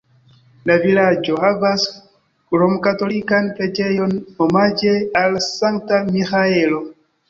La vilaĝo havas romkatolikan preĝejon omaĝe al Sankta Miĥaelo.